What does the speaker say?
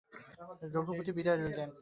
রঘুপতি বিদায় লইলেন।